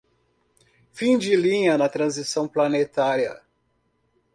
Fim de linha na transição planetária